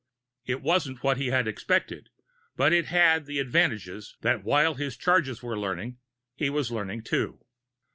It wasn't what he had expected, but it had the advantages that while his charges were learning, he was learning, too.